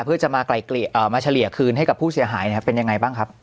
เพื่อจะมาไกลเกลี่ยมาเฉลี่ยคืนให้กับผู้เสียหายเป็นยังไงบ้างครับ